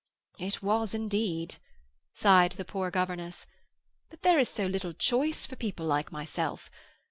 "It was, indeed," sighed the poor governess. "But there is so little choice for people like myself.